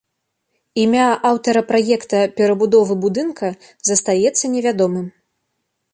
Імя аўтара праекта перабудовы будынка застаецца невядомым.